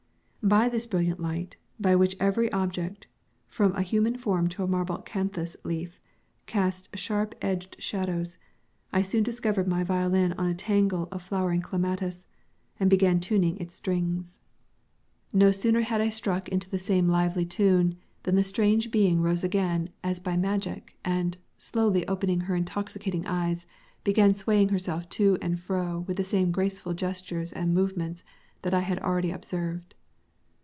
By this brilliant light, by which every object, from a human form to a marble acanthus leaf, cast sharp edged shadows, I soon discovered my violin on a tangle of flowering clematis, and began tuning its strings. No sooner had I struck into the same lively tune, than the strange being rose again as by magic, and, slowly opening her intoxicating eyes, began swaying herself to and fro with the same graceful gestures and movements that I had already observed.